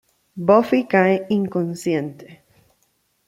Buffy cae inconsciente.